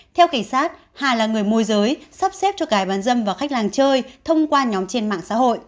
theo cảnh sát hà là người môi giới sắp xếp cho cái bán dâm vào khách hàng chơi thông qua nhóm trên mạng xã hội